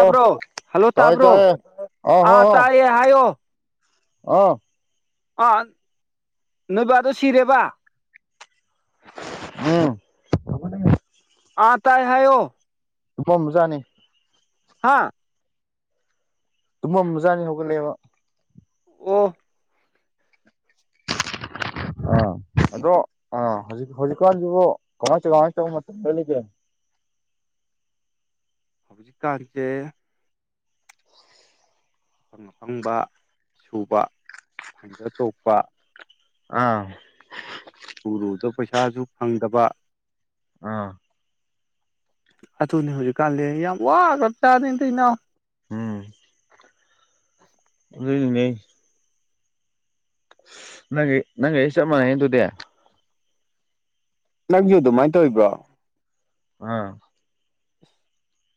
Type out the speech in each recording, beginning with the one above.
ꯑꯣ ꯍꯜꯂꯣ ꯇꯥꯏ ꯇꯥꯕ꯭ꯔꯣ ꯇꯥꯏꯌꯦ [unintelligible] ꯍꯣ ꯑꯥ ꯍꯣ ꯇꯥꯏꯌꯦ ꯍꯥꯏꯌꯣ ꯑꯥ ꯑꯥ ꯅꯣꯏꯕꯗꯣ ꯁꯤꯔꯦꯕ ꯎꯝ ꯑꯥ ꯇꯥꯏ ꯍꯥꯏꯌꫭ [unintelligible] ꯍꯥꯥ ꯑꯗꯨꯨꯝ ꯑꯃ ꯆꯥꯅꯤ ꯍꯧꯒꯠꯂꯕ ꯑꯣꯐ ꯑ ꯑꯗꯨ ꯍꯧꯖꯤꯛ ꯍꯧꯖꯤꯛꯀꯥꯟꯕꯨ ꯀꯃꯥꯏ ꯀꯥꯃꯥꯏ ꯍꯧꯖꯤꯛꯀꯥꯟꯁꯦ ꯑꯐꯪ ꯑꯐꯪꯕ ꯁꯨꯕ ꯐꯪꯗ꯭ꯔ ꯇꯣꯄ ꯑꯥ ꯎꯔꯨꯗꯕ ꯄꯩꯁꯥꯁꯨ ꯐꯪꯗꯕ ꯑꯥ ꯑꯗꯨꯊꯅꯦ ꯍꯧꯖꯤꯛꯀꯥꯟꯗꯤ ꯌꯥꯝ ꯋꯥꯒ꯭ꯔꯞ ꯆꯥꯗꯩ ꯏꯇ ꯏꯅꯥꯎ ꯎꯝ ꯂꯩꯅꯦ ꯅꯪꯒꯥ ꯑꯩꯒꯥ ꯆꯞ ꯃꯅꯩ ꯑꯗꯨꯗꯦ ꯅꯪꯁꯨ ꯑꯗꯨꯃꯥꯏꯅ ꯇꯧꯔꯤꯕ꯭ꯔꯣ ꯑꯥ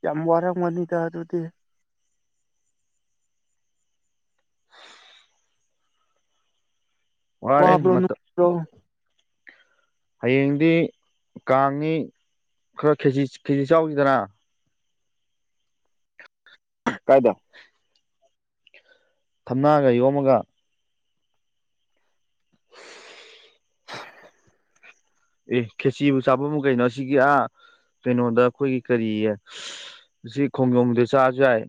ꯌꯥꯝ ꯋꯥꯔꯝꯃꯅꯤꯗꯥ ꯑꯗꯨꯗꯤ ꯋꯥꯔꯦ ꯋꯥꯕ꯭ꯔꯣ ꯃꯇꯝ ꯅꯣꯇꯔꯣ ꯍꯌꯦꯡꯗꯤ ꯀꯥꯡꯅꯤ ꯈꯔꯥ ꯈꯤꯖꯤ ꯆꯥꯔꯨꯁꯤꯗꯅ ꯀꯥꯏꯗ ꯊꯝꯅꯥꯒ ꯌꯣꯝꯃꯒ ꯑꯦ ꯈꯦꯆꯤꯕꯨ ꯆꯥꯐꯝ ꯑꯃ ꯀꯩꯅꯣ ꯑꯁꯤꯒꯤ ꯑꯥ ꯀꯩꯅꯣꯗ ꯑꯩꯈꯣꯏꯒꯤ ꯀꯔꯤꯌꯦ ꯁꯤ ꯈꯣꯡꯖꯣꯝꯗ ꯆꯥꯁꯨ ꯌꯥꯏ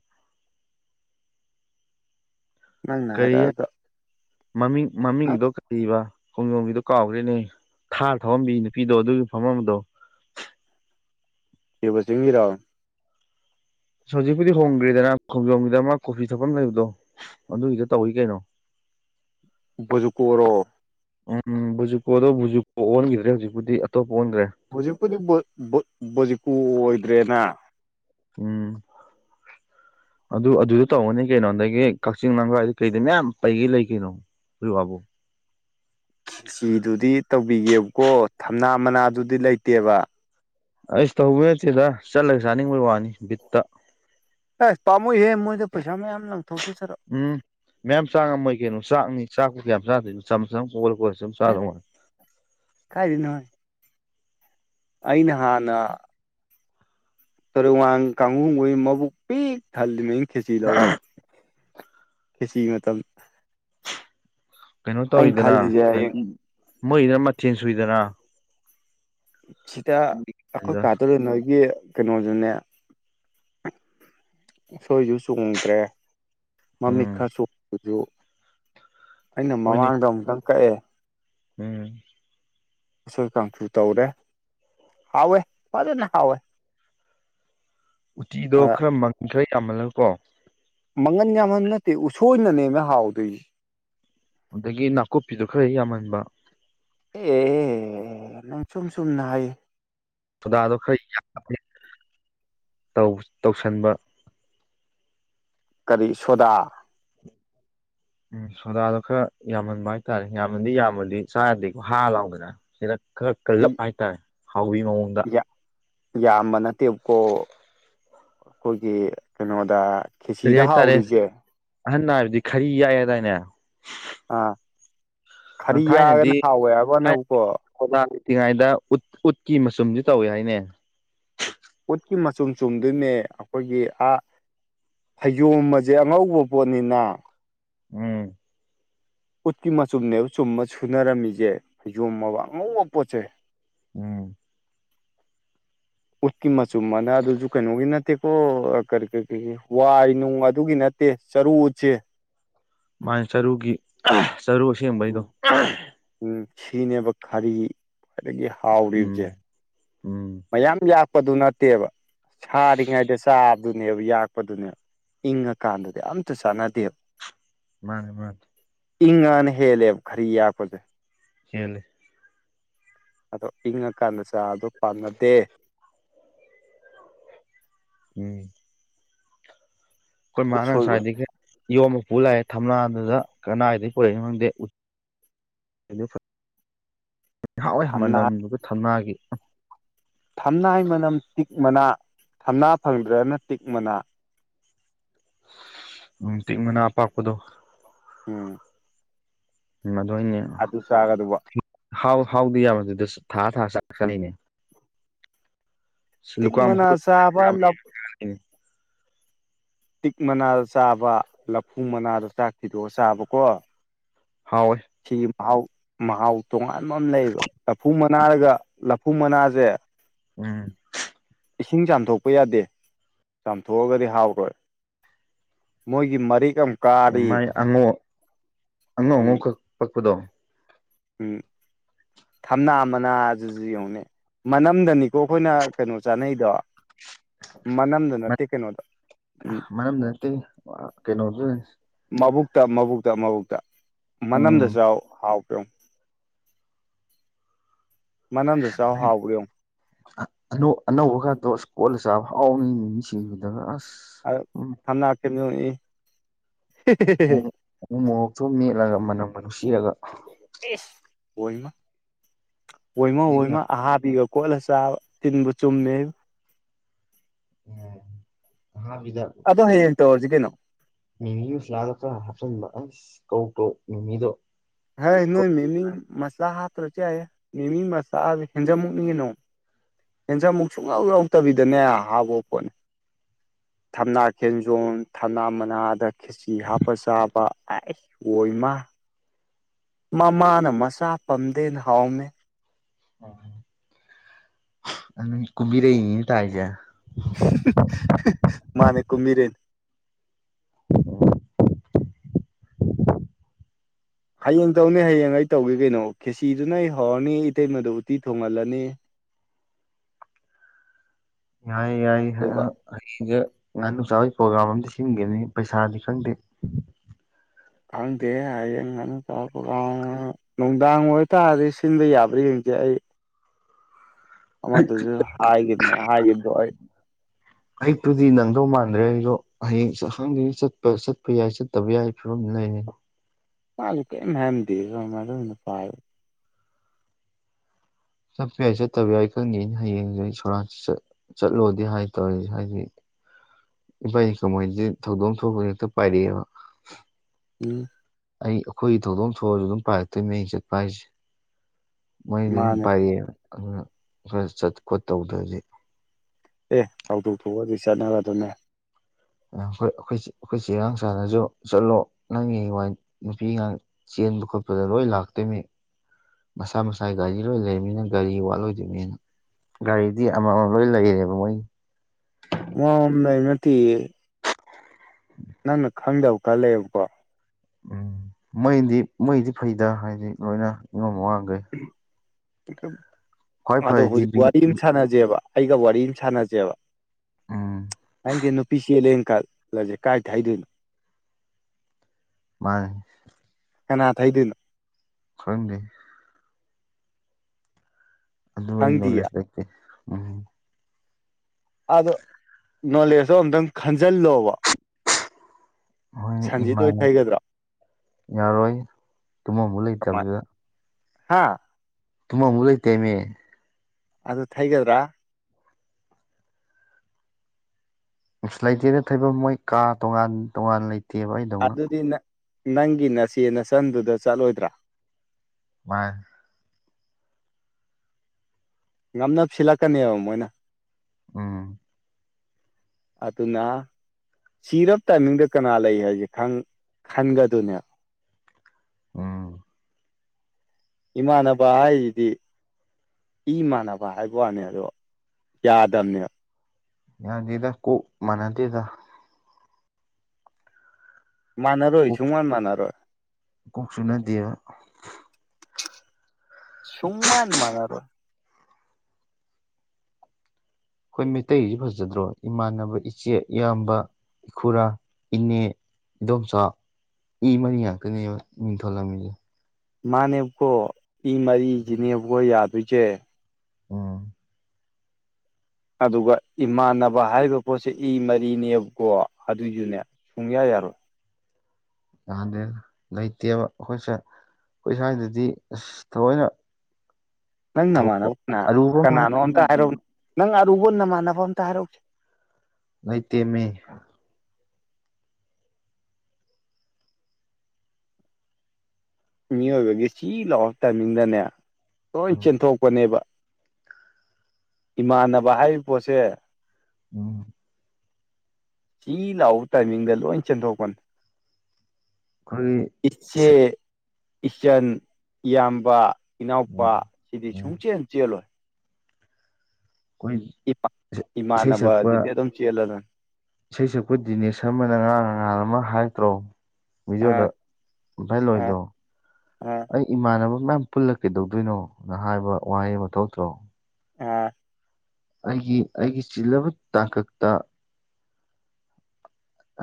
ꯅꯪꯅ ꯀꯔꯤ ꯍꯥꯏꯔꯛꯑꯒ ꯃꯃꯤꯡ ꯃꯃꯤꯡꯗꯣ ꯀꯔꯤꯕ ꯈꯣꯡꯖꯣꯝꯕꯤꯗꯣ ꯀꯥꯎꯈ꯭ꯔꯦꯅꯦ ꯊꯥꯔ ꯊꯧꯍꯝꯕꯤ ꯅꯨꯄꯤꯗꯣ ꯑꯗꯨꯒꯤ ꯐꯝꯝꯕꯗꯣ ꯗꯦꯕꯥ ꯆꯤꯡꯒꯤꯗꯣ ꯑꯁ ꯍꯧꯖꯤꯛꯄꯨꯗꯤ ꯍꯣꯡꯈꯦꯗꯅ ꯈꯣꯡꯖꯣꯝꯒꯤꯗ ꯑꯃ ꯀꯣꯐꯤ ꯊꯛꯐꯝ ꯂꯩꯕꯗꯣ ꯑꯗꯨꯒꯤꯗ ꯇꯧꯏ ꯀꯩꯅꯣ [unintelligible] ꯕꯖꯨꯀꯣꯔꯣ ꯎꯝ ꯕꯨꯖꯨꯀꯣꯗꯣ ꯕꯨꯖꯨꯀꯣ ꯑꯣꯟꯈꯤꯗ꯭ꯔꯦ ꯍꯧꯖꯤꯛꯄꯨꯗꯤ ꯑꯇꯣꯞꯄ ꯑꯣꯟꯗ꯭ꯔꯦ ꯍꯧꯖꯤꯛꯄꯨꯗꯤ ꯖꯤꯛꯀꯨ ꯑꯣꯏꯗ꯭ꯔꯦꯅ ꯎꯝ ꯑꯗꯨ ꯑꯗꯨꯗ ꯇꯧꯔꯅꯤ ꯀꯩꯅꯣ ꯑꯗꯒꯤ ꯀꯛꯆꯤꯡ ꯂꯝꯈꯥꯏꯗ ꯀꯩꯗ ꯃꯌꯥꯝ ꯄꯩꯒꯤ ꯂꯩꯀꯩꯅꯣ [unintelligible] ꯆꯤꯗꯨꯗꯤ ꯇꯧꯕꯤꯒꯦꯕꯀꯣ ꯊꯝꯅꯥ ꯃꯅꯥꯗꯨꯗꯤ ꯂꯩꯇꯦꯕ ꯑꯁ ꯇꯧꯕꯩꯅꯠꯇꯦꯗ ꯆꯠꯂꯒ ꯆꯥꯅꯤꯡꯕꯩ ꯋꯥꯅꯤ ꯕꯤꯠꯇ ꯑꯁ ꯄꯥꯃꯨꯍꯦ ꯃꯣꯏꯗ ꯄꯩꯁꯥ ꯃꯌꯥꯝ ꯂꯪꯊꯣꯛꯆꯆꯔꯛꯑꯣ ꯎꯝ ꯃꯌꯥꯝ ꯆꯥꯡꯉꯝꯃꯣꯏ ꯀꯩꯅꯣ ꯆꯥꯛꯅꯤ ꯆꯥꯛꯄꯨ ꯀꯌꯥꯝ ꯆꯥꯗꯣꯏꯦꯆꯝꯝ ꯀꯣꯜꯂ ꯀꯣꯠꯂ ꯁꯝ ꯆꯥꯔꯝꯃꯣꯏ ꯀꯥꯏꯗꯅꯣꯏ ꯑꯩꯅ ꯍꯥꯟꯅ ꯇꯧꯔꯨꯋꯥꯡ ꯀꯥꯡꯍꯨꯈꯩ ꯃꯕꯨꯛ ꯄꯤꯛ ꯊꯜꯂꯤꯅꯤ ꯑꯩꯅꯥ ꯈꯦꯆꯤ ꯇꯧꯕꯗꯥ ꯈꯦꯁꯤ ꯃꯇꯝ ꯀꯩꯅꯣ ꯑꯩꯅ ꯇꯧꯔꯤꯗꯅ ꯈꯜꯂꯤꯁꯦ ꯍꯌꯦꯡ ꯍꯥꯏꯗꯤ ꯃꯣꯏꯅ ꯃꯊꯦꯟ ꯁꯨꯏꯗꯅ ꯁꯤꯗ ꯑꯩꯈꯣꯏ ꯑꯗꯨꯗ ꯀꯥꯗꯔꯤ ꯈꯣꯏꯒꯤ ꯀꯩꯅꯣꯗꯨꯅꯦ ꯎꯁꯣꯏꯁꯨ ꯆꯣꯡꯗ꯭ꯔꯦ ꯃꯃꯤꯠ ꯎꯝ ꯈꯔ ꯁꯣꯛꯄꯁꯨ ꯑꯩꯅ ꯍꯣꯏꯅꯦ ꯃꯃꯥꯡꯗ ꯑꯃꯨꯛꯇꯪ ꯀꯛꯑꯦ ꯎꯝ ꯏꯁꯩꯣꯏ ꯀꯥꯡꯁꯨ ꯇꯧꯔꯦ ꯍꯥꯎꯋꯦ ꯐꯖꯅ ꯍꯥꯎꯋꯦ ꯎꯇꯤꯗꯣ ꯑ ꯈꯔ ꯃꯟ ꯈꯔ ꯌꯥꯝꯃꯜꯂꯒꯀꯣ ꯃꯪꯒꯟ ꯌꯥꯝꯃꯟ ꯅꯠꯇꯦ ꯎꯁꯣꯏꯅꯅꯦꯅ ꯍꯥꯎꯗꯣꯏ ꯑꯗꯒꯤ ꯅꯥꯀꯨꯞꯄꯤꯗꯨꯣ ꯈꯔꯦꯛ ꯌꯥꯝꯃꯟꯕ ꯑꯦ ꯅꯪ ꯁꯨꯝ ꯁꯨꯝꯅ ꯍꯥꯏ ꯊꯣꯗꯥꯗꯣ ꯈꯔ ꯌꯥꯝ ꯇꯧꯁꯟꯕ ꯀꯔꯤ ꯁꯣꯗꯥ [unintelligible] ꯎꯝ ꯁꯣꯗꯥꯗꯣ ꯈꯔ ꯌꯥꯝꯃꯟꯕ ꯍꯥꯏꯇꯥꯔꯦ ꯌꯥꯝꯃꯟꯗꯤ ꯌꯥꯝꯃꯗꯤ ꯆꯥꯔꯗꯦꯀꯣ ꯍꯥꯔ ꯂꯥꯎꯗꯅ ꯁꯤꯗ ꯈ ꯀꯜꯂꯞ ꯍꯥꯏꯇꯥꯔꯦ ꯍꯥꯎꯕꯤ ꯃꯑꯣꯡ ꯌꯥꯝꯕ ꯅꯠꯇꯦꯕꯀꯣ ꯑꯩꯈꯣꯏꯒꯤ ꯀꯩꯅꯣꯗ ꯀꯔꯤ ꯈꯦꯆꯤꯗ ꯍꯥꯏꯇꯥꯔꯦ ꯍꯥꯎꯔꯤꯁꯦ ꯑꯍꯟ ꯍꯥꯏꯕꯗꯤ ꯈꯔꯤ ꯌꯥꯏꯗꯥꯏꯅꯦ ꯑꯥ ꯈꯔꯤ ꯌꯥꯒꯅ ꯍꯥꯎꯋꯦ ꯌꯥꯕꯅꯦꯕꯀꯣ ꯀꯅꯥ ꯂꯩꯇꯤꯉꯥꯏꯗ ꯎꯠ ꯎꯠꯀꯤ ꯃꯆꯨꯝꯗꯤ ꯇꯧꯏꯦ ꯍꯥꯏꯅꯦ ꯎꯠꯀꯤ ꯃꯆꯨꯝ ꯆꯨꯝꯗꯣꯏꯅꯦ ꯑꯩꯈꯣꯏꯒꯤ ꯐꯩꯖꯣꯝ ꯑꯁꯦ ꯑꯉꯧꯕ ꯄꯣꯠꯅꯤꯅ ꯎꯝ ꯎꯠꯀꯤ ꯃꯆꯨꯝꯅꯦꯕ ꯆꯨꯝꯕ ꯁꯨꯅꯔꯝꯃꯤꯁꯦ ꯐꯩꯖꯣꯝꯃꯕ ꯑꯉꯧꯕ ꯄꯣꯠꯁꯦ ꯎꯝ ꯎꯠꯀꯤ ꯃꯆꯨꯝ ꯑꯃꯅ ꯑꯗꯨꯁꯨ ꯀꯩꯅꯣꯒꯤ ꯅꯠꯇꯦꯀꯣ ꯀꯔꯤ ꯀꯔꯤ ꯀ ꯋꯥꯏ ꯅꯨꯡ ꯑꯗꯨꯒꯤꯠꯇ ꯆꯔꯨ ꯎꯆꯦ ꯃꯥꯅꯦ ꯆꯔꯨꯒꯤ ꯆꯔꯨ ꯑꯁꯦꯡꯕꯩꯗꯣ ꯎ ꯁꯤꯅꯦꯕ ꯈꯔꯤ ꯈ꯭ꯋꯥꯏꯗꯒꯤ ꯍꯥꯎꯔꯤꯕꯁꯦ ꯎꯝ ꯎꯝ ꯃꯌꯥꯝ ꯌꯥꯛꯄꯗꯨ ꯅꯠꯇꯦꯕ ꯁꯥꯔꯤꯉꯩꯗ ꯆꯥꯕ ꯑꯗꯨꯅꯦꯕ ꯌꯥꯛꯄꯗꯨꯅꯦꯕ ꯏꯪꯉꯀꯥꯟꯗꯗꯤ ꯑꯝꯇ ꯆꯥꯟꯅꯗꯦꯕ ꯃꯥꯅꯦ ꯃꯥꯅꯦ ꯏꯪꯉꯅ ꯍꯦꯜꯂꯦꯕ ꯈꯔꯤ ꯌꯥꯛꯄꯁꯦ ꯀꯦꯅꯦ ꯑꯗꯣ ꯏꯪꯉꯀꯥꯟꯗ ꯆꯥ ꯑꯗꯨ ꯄꯥꯝꯅꯗꯦ ꯎꯝ ꯑꯩꯈꯣꯏ ꯃꯥꯅ ꯎꯁꯣꯏ ꯑꯣꯏ ꯉꯁꯥꯏꯗꯒꯤ ꯌꯣꯝꯕ ꯄꯨ ꯂꯥꯛꯑꯦ ꯊꯝꯅꯥꯗꯨꯗ ꯀꯅꯥꯏꯗꯒꯤ ꯄꯨꯔꯛꯏꯣ ꯈꯪꯗꯦ ꯍꯥꯎꯋꯦ ꯊꯝꯅꯥ ꯃꯅꯝꯗꯨꯒ ꯊꯝꯅꯥꯒꯤ ꯊꯝꯅꯥꯏ ꯃꯅꯝ ꯇꯤꯛ ꯃꯅꯥ ꯊꯝꯅꯥ ꯐꯪꯗ꯭ꯔꯅ ꯇꯤꯛ ꯃꯅꯥ ꯑꯇꯤꯟ ꯃꯅꯥ ꯑꯄꯥꯄꯗ ꯎꯝ ꯑꯗꯨꯏꯅꯦ ꯑꯗꯨ ꯆꯥꯒꯗꯧꯕ ꯍꯥꯎ ꯍꯥꯎꯗꯤ ꯌꯥꯕꯗꯨꯗ ꯊꯥ ꯊꯥ ꯆ ꯆꯠꯂꯤꯅꯦ ꯁꯤ ꯇꯤꯛ ꯂꯨꯀ ꯃꯅꯥ ꯆꯥꯕ ꯇꯤꯛ ꯃꯅꯥꯗ ꯆꯥꯕ ꯂꯐꯨ ꯃꯅꯥꯗ ꯆꯥꯛ ꯊꯤꯗꯣꯛꯑ ꯆꯥꯕꯀꯣ ꯍꯥꯎ ꯍ ꯁꯤꯒꯤ ꯃꯍꯥꯎ ꯃꯍꯥꯎ ꯇꯣꯉꯥꯟꯕ ꯑꯃ ꯂꯩꯌꯦꯕ ꯂꯐꯨ ꯃꯅꯥꯔꯒ ꯂꯐꯨ ꯃꯅꯥꯁꯦ ꯎꯝ ꯏꯁꯤꯡ ꯆꯥꯝꯊꯣꯛꯄ ꯌꯥꯗꯦ ꯆꯥꯝꯊꯣꯛꯑꯒꯗꯤ ꯍꯥꯎꯈ꯭ꯔꯣꯏ ꯃꯣꯏꯒꯤ ꯃꯔꯤꯒꯝ ꯑꯣ ꯃꯥꯏ ꯑꯉꯧ ꯑꯉꯧ ꯎꯝ ꯑꯉꯧꯛ ꯄꯛꯄꯗꯣ ꯎꯝ ꯊꯝꯅꯥ ꯃꯅꯥꯖꯁꯨ ꯌꯦꯡꯉꯨꯅꯦ ꯃꯅꯝꯗꯅꯤꯀꯣ ꯑꯩꯈꯣꯏꯅ ꯀꯩꯅꯣ ꯆꯥꯅꯩꯗꯣ ꯃꯅꯝꯗ ꯅꯠꯇꯦ ꯀꯩꯅꯣꯗ ꯎꯝ ꯃꯅꯝꯗ ꯅꯠꯇꯦ ꯀꯩꯅꯣꯗꯨ ꯃꯕꯨꯛꯇ ꯃꯕꯨꯛꯇ ꯃꯕꯨꯛꯇ ꯃꯅꯝꯗ ꯎꯝ ꯆꯥꯎ ꯍꯥꯎ ꯄꯨꯉ ꯃꯅꯝꯗ ꯆꯥꯎꯍ ꯍꯥꯎꯕ꯭ꯔꯨꯛ ꯧ ꯑꯅꯧꯕ ꯈꯗꯣ ꯑꯁ ꯀꯣꯜꯂ ꯆꯥꯕ ꯐꯥꯎꯅꯤ ꯃꯤꯁꯤꯡꯕꯗꯒ ꯑꯁ ꯑ ꯎꯝ ꯊꯝꯅ ꯎ ꯃꯣꯔꯣꯛꯇꯨꯝ ꯃꯦꯠꯂꯒ ꯃꯅꯝꯒ ꯅꯨꯡꯁꯤꯔꯒ ꯑꯣꯏ ꯑꯣꯏꯃ ꯃꯦꯠꯂ ꯑꯣꯏꯃ ꯑꯍꯥꯕꯤ ꯀꯣꯜ ꯍꯁꯥ ꯇꯤꯟꯕꯨ ꯆꯨꯝꯃꯦ ꯀꯥꯕꯤꯗ ꯑꯗꯣ ꯍꯌꯦꯡ ꯇꯧꯔꯖꯤꯒꯦꯩꯅꯣ ꯁ ꯍꯥ ꯀꯧꯣꯣ ꯍ ꯅꯣꯏ ꯃꯤꯃꯤ ꯃꯁꯥ ꯍꯥꯊꯔꯆ ꯃꯤꯦꯃꯤ ꯃꯁꯥ ꯍꯦꯟꯖꯝꯃꯛꯅꯤꯅꯣ ꯌꯦꯦꯟꯁꯟꯃꯨꯛ ꯁꯨꯡꯂꯧ ꯌꯥꯎꯗꯕꯤꯗꯅꯦ ꯍꯥꯞꯄ ꯄꯣꯠꯅꯦ ꯊꯝꯅꯥ ꯈꯦꯟꯖꯣ ꯊꯝꯅꯥ ꯃꯅꯥꯗ ꯈꯦꯆꯤ ꯍꯥꯞꯄ ꯆꯥꯕ ꯑꯩ ꯑꯣꯏꯃ ꯃꯃꯥꯅ ꯃꯆꯥ ꯄꯝꯗꯦꯅ ꯍꯥꯎꯃꯦ ꯑꯣ ꯑ ꯀꯨꯕꯤꯔ ꯏ ꯇ ꯍꯥꯏꯖ ꯃꯥꯅꯦ ꯀꯨꯝꯃꯤꯔꯦꯟ ꯍꯌꯦꯡ ꯇꯧꯅꯤ ꯍꯌꯦꯡ ꯑꯩ ꯇꯧꯒꯦ ꯀꯩꯅꯣ ꯈꯦꯁꯤꯗꯨꯅ ꯑꯩ ꯍꯧꯔꯅꯤ ꯏꯇꯩꯃꯗ ꯎꯇꯤ ꯊꯣꯡꯍꯜꯂꯅꯤ ꯌꯥꯏ ꯌꯥꯏ ꯑꯗꯨꯒ ꯑꯍꯁ ꯉꯍꯥ ꯅꯨꯡꯁꯥꯒꯤ ꯄ꯭ꯔꯣꯒ꯭ꯔꯥꯝ ꯑꯝ ꯁꯤꯟꯈꯤꯕꯅꯤ ꯄꯩꯁꯥꯗꯤ ꯈꯪꯗꯦ ꯈꯪꯗꯦ ꯍꯌꯦꯡꯅ ꯇꯄ ꯅꯨꯡꯗꯥꯡ ꯑꯣꯏꯇꯥꯔꯗꯤ ꯁꯤꯟꯗ ꯌꯥꯕ꯭ꯔꯥ ꯌꯦꯡꯁꯦ ꯑꯩ ꯑꯃꯠꯇꯁꯨ ꯍꯥꯏꯒꯤꯗꯅꯦ ꯍꯥꯏꯈꯤꯕꯗꯣ ꯑꯩ ꯑꯌꯨꯛꯇꯨꯗꯤ ꯅꯪꯗꯧ ꯃꯥꯟꯗ꯭ꯔꯦ ꯑꯩꯗꯣ ꯍꯌꯦꯡ ꯍꯪꯗ ꯆꯠꯄ ꯆꯠꯄ ꯌꯥꯏ ꯆꯠꯇꯕ ꯌꯥꯏ ꯐꯤꯕꯝꯗꯨ ꯂꯩꯔꯤ ꯃꯥ ꯀꯩ ꯍꯥꯏꯦꯝꯗꯤꯔꯄꯥꯜ ꯆꯠꯄ ꯌꯥꯏ ꯆꯠꯇꯕ ꯌꯥꯏ ꯈꯪꯗꯦꯩꯅ ꯍꯌꯦꯡꯁ ꯁꯣꯔꯥꯟ ꯆꯠ ꯆꯠꯂꯣꯗꯤ ꯍꯥꯏꯇꯥꯧꯔꯦ ꯍꯥꯏꯗꯤ ꯏꯐ ꯏꯅꯤ ꯀꯃꯥꯏꯁꯤ ꯊꯧꯗꯣꯛ ꯊꯣꯛꯄ ꯍꯦꯛꯇ ꯄꯥꯏꯔꯛꯑꯦꯕ ꯎꯝ ꯑꯩ ꯑꯩꯈꯣꯏꯒꯤ ꯊꯧꯗꯣꯛ ꯊꯣꯛꯑꯁꯨ ꯑꯗꯨꯝ ꯄꯥꯏꯔꯛꯇꯣꯏꯅꯦ ꯑꯩꯅ ꯆꯠꯄ ꯍꯥꯏꯁꯦ ꯃꯣꯏ ꯑꯗꯨꯝ ꯃꯥꯅꯦ ꯄꯥꯏꯔꯛꯑꯦ ꯑꯗꯨ ꯈꯔ ꯆꯠ ꯈꯣꯠ ꯇꯧꯗ꯭ꯔꯗꯤ ꯑꯦ ꯐꯥꯎꯗꯣꯛ ꯊꯣꯛꯣꯛꯑ ꯑꯗꯨꯗꯤ ꯆꯠꯅꯔꯗꯅꯦ ꯑꯩꯈꯣꯏ ꯆꯦ ꯏꯔꯥꯡ ꯆꯥꯅꯁꯨ ꯆꯠꯂꯣ ꯅꯪꯒꯤ ꯅꯨꯄꯤꯥꯡ ꯆꯦꯟꯕ ꯈꯣꯠꯄꯗ ꯂꯣꯏ ꯂꯥꯛꯇꯣꯏꯅꯤ ꯃꯁꯥ ꯃꯁꯥ ꯒꯥꯔꯤ ꯂꯣꯏ ꯂꯩꯃꯤꯅꯤꯅ ꯒꯥꯔꯤ ꯋꯥꯠꯂꯣꯏꯗꯅꯤꯅ ꯒꯥꯔꯤꯗꯤ ꯑꯃ ꯑꯃ ꯂꯣꯏ ꯂꯩꯔꯦꯕ ꯃꯣꯏ ꯃꯅꯩꯅꯠꯇ [inaudible] ꯅꯪꯅ ꯈꯪꯗꯕ ꯀꯔ ꯂꯩꯌꯦꯕꯀꯣ ꯎꯝ ꯃꯩꯗꯤ ꯃꯩꯗꯤ ꯐꯩꯗ ꯍꯥꯏꯗꯤ ꯂꯣꯏꯅ ꯏꯪꯉꯣꯝ ꯋꯥꯥꯡꯈꯩ ꯈ꯭ꯋꯥꯏ ꯑꯗꯣ ꯐꯔꯤꯗꯤ ꯍꯧꯖꯤ ꯋꯥꯅ ꯖꯦꯕ ꯑꯩꯒ ꯋꯥꯔꯤ ꯑꯃ ꯁꯥꯟꯅꯖꯦꯕ ꯎꯝ ꯍꯪꯗꯦꯅꯣ ꯄꯤꯁꯂ ꯌꯦꯡ ꯀꯂꯦ ꯀꯥꯏꯇ ꯍꯥꯏꯗꯣꯏꯅꯣ ꯃꯥ ꯀꯩꯅ ꯊꯩꯗꯅ ꯈꯗꯤ ꯑꯗꯨ ꯑꯩ ꯈꯪꯗꯤꯌꯦ ꯅꯣꯂꯦꯖ ꯂꯩꯇꯦ ꯎꯝ ꯑꯗꯣ ꯅꯣꯂꯦꯖꯇꯣ ꯑꯨꯛꯇꯪ ꯈꯟꯖꯜꯂꯣꯕ ꯃꯣꯏꯅ ꯁꯟꯖꯤꯠ ꯑꯣꯏ ꯏꯃꯥꯟꯅ ꯊꯩꯒꯗ꯭ꯔꯣ ꯌꯥꯔꯣꯏ ꯇꯃꯕꯨ ꯂꯩꯇꯕꯤꯗ ꯍꯥꯥ ꯇꯨꯝꯕꯝꯕꯧ ꯂꯩꯇꯦꯃꯤ ꯑꯗꯨ ꯊꯩꯒꯗ꯭ꯔꯥ ꯑꯁ ꯂꯩꯇꯦꯗ ꯊꯩꯕꯝ ꯃꯣꯏ ꯀꯥ ꯇꯣꯉꯥꯟ ꯇꯣꯉꯥꯟꯅ ꯂꯩ ꯑꯗꯨꯗꯤ ꯅ ꯅꯪꯒꯤ ꯅꯆꯦ ꯅꯆꯟꯗꯨꯗ ꯆꯠꯂꯣꯏꯗ꯭ꯔꯥ ꯃꯥꯥꯏ ꯉꯝꯅꯕ ꯁꯤꯜꯂꯛꯀꯅꯦꯕ ꯃꯣꯏꯅ ꯎꯝ ꯑꯗꯨꯅ ꯆꯤꯔꯞ ꯇꯥꯏꯃꯤꯡꯗ ꯀꯅꯥ ꯂꯩ ꯍꯥꯏꯖꯦ ꯈꯪ ꯈꯟꯒꯗꯣꯏꯅꯦꯕ ꯎꯝ ꯏꯃꯥꯟꯅꯕ ꯍꯥꯏꯖꯤꯗꯤ ꯏ ꯃꯥꯟꯅꯕ ꯍꯥꯏꯕ ꯋꯥꯅꯦ ꯑꯗꯣ ꯌꯥꯗꯅꯦꯕ ꯌꯥꯗꯦꯗ ꯀꯣꯛ ꯃꯅꯥꯗꯦꯗ ꯃꯥꯟꯅꯔꯣꯏ ꯀꯣꯛ ꯁꯨꯡ ꯃꯥꯟ ꯃꯥꯟꯅꯔꯣꯏ ꯀꯣꯛ ꯆꯨꯅꯗꯦꯕ ꯁꯨꯡꯃꯥꯟ ꯃꯥꯟꯅꯔꯣꯏ ꯑꯩꯈꯣꯏ ꯃꯩꯇꯩꯁꯤ ꯐꯖꯗ꯭ꯔꯣ ꯏꯃꯥꯟꯅꯕ ꯏꯆꯦ ꯏꯌꯥꯝꯕ ꯏꯈꯨꯔꯥ ꯏꯅꯦ ꯏꯗꯣꯝꯆꯥ ꯏ ꯃꯔꯤ ꯉꯥꯛꯇꯅꯦꯕ ꯃꯤꯡ ꯊꯣꯂꯝꯃꯤꯁꯦ ꯃꯥꯅꯦꯕꯀꯣ ꯏ ꯃꯔꯤꯖꯤꯅꯦꯕꯀꯣ ꯌꯥꯗꯣꯏꯖꯦ ꯑꯣ ꯑꯗꯨꯒ ꯏꯃꯥꯟꯅꯕ ꯍꯥꯏꯔꯤꯕ ꯄꯣꯠꯁꯦ ꯏ ꯃꯔꯤꯅꯦꯕꯀꯣ ꯑꯗꯨꯏꯁꯨꯅꯦ ꯁꯨꯡꯌꯥ ꯌꯥꯔꯣꯏ ꯌꯥꯥꯟꯗꯦ ꯂꯩꯇꯦꯕ ꯑꯩꯈꯣꯏꯁꯦ ꯈꯣꯏ ꯁ꯭ꯋꯥꯏꯗꯗꯤ ꯑꯁ ꯊꯑꯣꯏꯅ ꯅꯪ ꯅꯃꯥꯟꯅꯕ ꯀꯅꯥ ꯑꯔꯨꯕ ꯑꯃ ꯀꯅꯥꯅꯣ ꯍꯥꯏ ꯑꯝꯇ ꯌꯥꯗꯦ ꯍꯥꯏꯔꯛꯎ ꯅꯪ ꯑꯔꯨꯕ ꯅꯃꯥꯟꯅꯕ ꯑꯝꯇ ꯍꯥꯏꯔꯛꯎꯁꯦ ꯂꯩꯇꯦꯃꯤ ꯃꯤꯑꯣꯏꯕꯒꯤ ꯆꯤ ꯂꯥꯎꯔ ꯇꯥꯏꯃꯤꯡꯗꯅꯦ ꯂꯣꯏ ꯎꯝ ꯆꯦꯟꯊꯣꯛ ꯄꯅꯦꯕ ꯏꯃꯥꯟꯅꯕ ꯍꯥꯏꯔꯤꯕ ꯄꯣꯠꯁꯦ ꯎꯝ ꯆꯤ ꯂꯥꯎ ꯇꯥꯏꯃꯤꯡꯗ ꯂꯣꯏ ꯆꯦꯟꯊꯣꯛꯄꯅꯤ ꯑꯩꯈꯣꯏꯒꯤ ꯏꯆꯦ ꯏꯆꯟ ꯏꯌꯥꯝꯕ ꯏꯅꯥꯎꯄꯥ ꯎꯝ ꯁꯤꯗꯤ ꯎꯝ ꯁꯨꯡꯆꯦꯟ ꯆꯦꯜꯂꯣꯏ ꯑꯩꯈꯣꯏ ꯏꯄꯥ ꯏꯁꯩ ꯏꯃꯥꯟꯅꯕ ꯁꯛꯄ ꯑꯗꯨꯗꯤ ꯑꯗꯨꯝ ꯆꯦꯜꯂꯗꯝꯅꯤ ꯏꯁꯩ ꯁꯛꯄꯨ ꯗꯤꯅꯦꯁ ꯁꯔꯃꯅ ꯉꯔꯥꯡ ꯅꯉꯥꯥꯟ ꯑꯃ ꯍꯥꯏꯗꯣ ꯑ ꯕꯤꯗꯤꯌꯣꯗ ꯚꯥꯏ ꯑ ꯂꯣꯏꯗꯣ ꯑ ꯑꯩ ꯏꯃꯥꯟꯅꯕ ꯃꯌꯥꯝ ꯄꯨꯜꯂ ꯀꯩꯗꯧꯗꯣꯏꯅꯣꯅ ꯍꯥꯏꯕ ꯋꯥꯍꯩ ꯑꯃ ꯊꯣꯛꯂꯛꯇ꯭ꯔꯣ ꯑꯥ ꯑꯩꯒꯤ ꯑꯩꯒꯤ ꯆꯤꯜꯂꯕ ꯇꯥꯡꯀꯛꯇ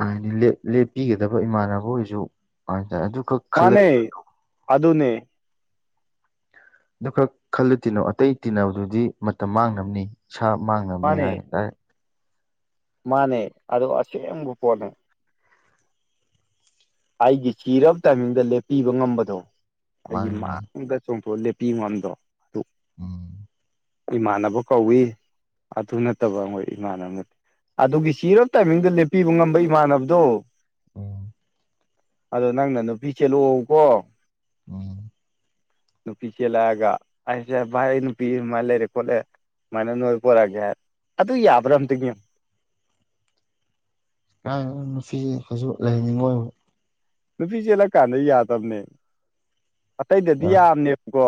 ꯍꯥꯏꯗꯤ ꯂꯦꯞꯄꯤꯒꯗꯕ ꯏꯃꯥꯟꯅꯕ ꯑꯣꯏꯁꯨ ꯍꯥꯏꯇꯥꯔꯦ ꯑꯗꯨꯈꯛ ꯈꯜꯂ ꯃꯥꯅꯦ ꯑꯗꯨꯅꯦ ꯑꯗꯨ ꯈꯛ ꯈꯜꯂ ꯇꯤꯟꯅꯧ ꯑꯇꯩ ꯇꯤꯟꯅꯕꯗꯨꯗꯤ ꯃꯇꯝ ꯃꯥꯡꯅꯕꯅꯤ ꯏꯁꯥ ꯃꯥꯡꯅꯕꯅꯤ ꯃꯥꯅꯦ ꯍꯥꯏ ꯗꯥꯢꯔꯦꯛ ꯃꯥꯅꯦ ꯑꯗꯣ ꯑꯁꯦꯡꯕ ꯄꯣꯠꯅꯦ ꯑꯩꯒꯤ ꯆꯤꯔꯕ ꯇꯥꯏꯃꯤꯡꯗ ꯂꯦꯞꯄꯤꯕ ꯉꯝꯕꯗꯣ ꯑꯩꯒꯤ ꯃꯥꯅꯤ ꯃꯥꯅꯤ ꯃꯥꯡꯗ ꯆꯣꯡꯊꯣꯛ ꯂꯦꯞ [unintelligible] ꯎꯝ ꯏꯃꯥꯟꯅꯕ ꯀꯧꯏ ꯑꯗꯨ ꯅꯠꯇꯕ ꯑꯩꯈꯣꯏ ꯏꯃꯥꯟꯅꯕꯅ ꯑꯗꯨꯒꯤ ꯆꯤꯔꯕ ꯇꯥꯏꯃꯤꯡꯗ ꯂꯦꯞꯄꯤꯕ ꯉꯝꯕ ꯏꯃꯥꯟꯅꯕꯗꯣ ꯑꯣ ꯑꯗꯣ ꯅꯪꯅ ꯅꯨꯄꯤ ꯆꯦꯜꯂꯣꯑꯣꯀꯣ ꯎꯝ ꯅꯨꯄꯤ ꯆꯦꯜꯂꯛꯑꯒ ꯑꯩꯁꯦ ꯚꯥꯏ ꯑꯩ ꯅꯨꯄꯤ ꯑꯃ ꯂꯩꯔꯦ ꯈꯣꯠꯂꯦ ꯑꯝꯃꯥꯏꯅ ꯅꯣꯏ ꯄꯣꯔꯛꯒꯦ ꯍꯥꯏ ꯑꯗꯨ ꯌꯥꯕ꯭ꯔꯥ ꯑꯝꯇꯪ ꯌꯦꯡꯉꯨ ꯀꯥꯏꯗꯩꯅꯣ ꯅꯨꯄꯤ [unintelligible] ꯁꯨ ꯂꯩꯍꯟꯅꯤꯡꯉꯣꯏꯕ ꯅꯨꯄꯤ ꯆꯦꯜꯂꯛꯀꯥꯟꯗ ꯌꯥꯗꯕꯅꯦ ꯑꯇꯩꯗꯗꯤ ꯎꯝ ꯌꯥꯕꯅꯦꯕꯀꯣ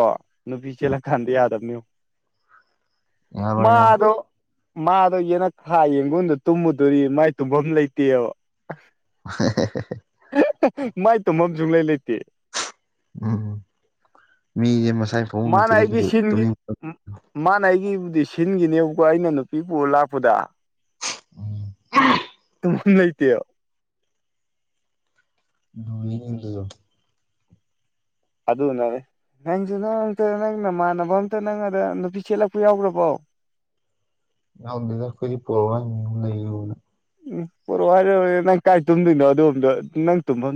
ꯅꯨꯄꯤ ꯆꯦꯜꯂꯛꯀꯥꯟꯗ ꯌꯥꯗꯕꯅꯦ ꯌꯦꯡꯉꯣ ꯌꯥꯔꯣꯏ ꯌꯥꯔꯣꯏ ꯃꯥꯗꯣ ꯃꯥꯗꯣ ꯌꯦꯅꯈꯥ ꯌꯦꯡꯒꯣꯟꯗ ꯇꯨꯝꯃꯨꯗꯣꯔꯤ ꯃꯥꯏ ꯇꯨꯝꯕꯝ ꯂꯩꯇꯦꯕ [unintelligible] [unintelligible] ꯃꯥꯏ ꯇꯨꯝꯐꯝ ꯁꯨꯡꯂꯩ ꯂꯩꯇꯦ ꯎꯝ ꯃꯤꯁꯦ ꯃꯁꯥꯏ ꯐꯃꯨꯡ ꯃꯥꯅ ꯅꯠꯇꯗꯤ ꯑꯩꯒꯤ ꯀꯩꯁꯨ ꯁꯤꯟꯒꯤ ꯇꯨꯝꯅꯤꯡ ꯄꯣꯟ__ ꯃꯥꯅ ꯑꯩꯒꯤꯕꯨꯗꯤ ꯁꯤꯟꯒꯤꯅꯦꯕꯀꯣ ꯑꯩꯅ ꯅꯨꯄꯤ ꯄꯨꯔ ꯂꯥꯛꯄꯗ ꯎꯝ [unintelligible] ꯂꯩꯇꯦꯕ ꯂꯨꯔꯤꯅꯦ ꯑꯗꯨꯁꯨ ꯑꯗꯨ ꯎꯅꯕꯩ ꯅꯪꯁꯨ ꯅꯪ ꯑꯇ ꯅꯪ ꯅꯃꯥꯟꯅꯕ ꯑꯝꯇ ꯅꯪ ꯑꯗ ꯅꯨꯄꯤ ꯆꯦꯜꯂꯛꯄ ꯌꯥꯎꯒ꯭ꯔꯕꯣ ꯌꯥꯎꯗꯦꯗ ꯑꯈꯣꯏꯗꯤ ꯄꯨꯔꯛꯑꯣ ꯍꯥꯏꯅꯦ ꯑꯗꯨꯝ ꯂꯩꯌꯨꯅ ꯎꯝ ꯄꯣꯔꯛꯑꯣ ꯍꯥꯏꯔꯣꯌꯦ ꯅꯪ ꯀꯥꯏ ꯇꯨꯝ ꯗꯣꯏꯅꯣ ꯑꯗꯨ ꯑꯝꯇ ꯅꯪ ꯇꯨꯝꯐꯝ